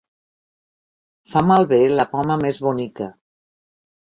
Fa malbé la poma més bonica.